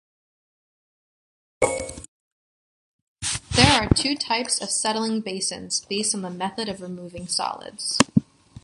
There are two types of settling basins, based on the method of removing solids.